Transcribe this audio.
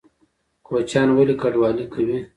کوچیان ولې کډوالي کوي؟